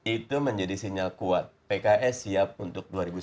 itu menjadi sinyal kuat pks siap untuk dua ribu sembilan belas